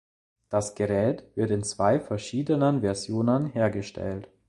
Das Gerät wird in zwei verschiedenen Versionen hergestellt.